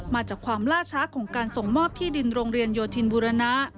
มาจากความล่าช้าของการส่งมอบที่ดินโรงเรียนโยธินบุรณะ